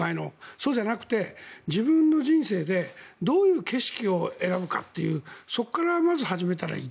そうじゃなくて自分の人生でどういう景色を選ぶかっていうそこからまず、始めたらいい。